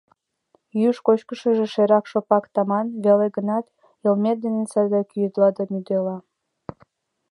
Йӱыш-кочкышыжо шерак-шопак таман веле гынат, йылмет дене садак ӱедыл да мӱедыл.